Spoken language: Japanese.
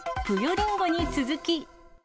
りんごに続き。